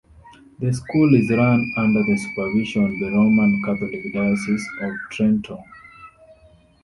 The school is run under the supervision of the Roman Catholic Diocese of Trenton.